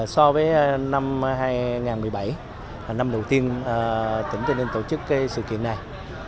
so với năm hai nghìn một mươi bảy năm đầu tiên tỉnh tây ninh tổ chức sự kiện này